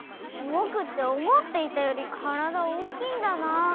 ぼくっておもっていたより体大きいんだな。